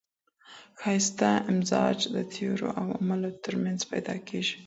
ښايسته امتزاج د تيوري او عمل ترمنځ پيدا کېږي.